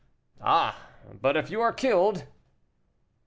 "Ah! but if you are killed?"